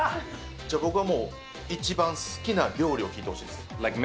じゃあ僕はもう、一番好きな料理を聞いてほしいです。